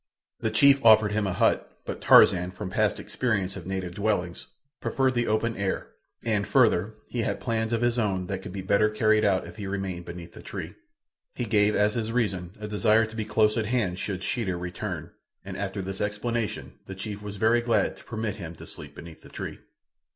The chief offered him a hut, but Tarzan, from past experience of native dwellings, preferred the open air, and, further, he had plans of his own that could be better carried out if he remained beneath the tree. He gave as his reason a desire to be close at hand should Sheeta return, and after this explanation the chief was very glad to permit him to sleep beneath the tree.